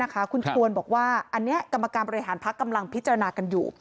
คุณชวนบอกว่าอันนี้กรรมการบริหารพักกำลังพิจารณากันอยู่